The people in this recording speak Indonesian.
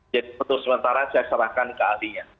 jadi sementara saya serahkan ke ahlinya